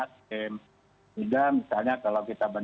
diwajarkan karena aneh juga bukan aneh